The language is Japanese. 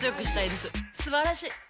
すばらしい！